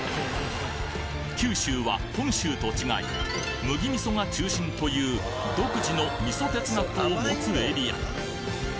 九州は本州と違い麦味噌が中心という独自の味噌哲学を持つエリア